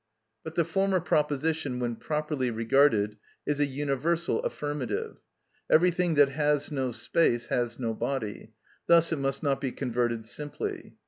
But the former proposition, when properly regarded, is a universal affirmative: "Everything that has no space has no body," thus it must not be converted simply.